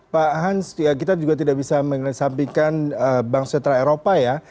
pak hans kita juga tidak bisa mengesampingkan bank setral eropa ya